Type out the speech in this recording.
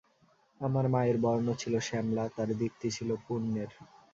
আমার মায়ের বর্ণ ছিল শামলা, তাঁর দীপ্তি ছিল পুণ্যের।